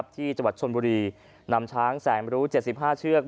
ที่จังหวัดชนบุรีนำช้างแสนรู้๗๕เชือก